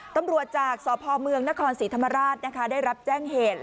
ตำรวจจากสพเมืองนครศรีธรรมราชนะคะได้รับแจ้งเหตุ